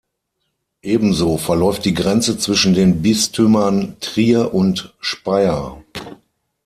Ebenso verläuft die Grenze zwischen den Bistümern Trier und Speyer.